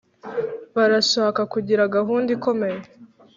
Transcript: barashaka kugira gahunda ikomeye